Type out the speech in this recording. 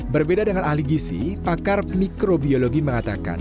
berbeda dengan ahli gisi pakar mikrobiologi mengatakan